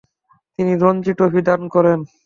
তিনি রঞ্জী ট্রফি দান করেন।